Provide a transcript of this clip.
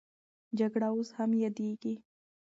جګړه اوس هم یادېږي.